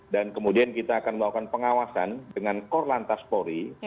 dan kemudian kita akan melakukan pengawasan dengan core lantas polri